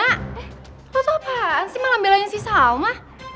eh itu apaan sih malam belanya si salma